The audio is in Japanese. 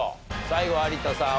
最後有田さん